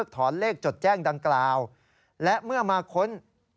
ยอมรับว่าการตรวจสอบเพียงเลขอยไม่สามารถทราบได้ว่าเป็นผลิตภัณฑ์ปลอม